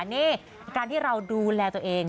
นี่การที่เราดูแลตัวเอง